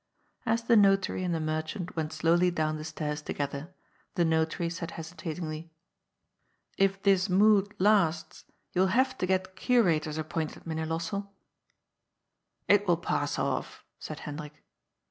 As the Notary and the Merchant went slowly down the stairs together, the Notary said hesitatingly :" If this mood IS 274 GOD'S FOOL. lasts, yon will have to get Curators appointed, Mynheer Lossell." *' It will pass ofF," said Hendrik.